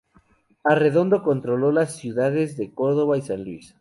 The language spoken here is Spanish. Arredondo controló las ciudades de Córdoba y San Luis.